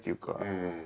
うん。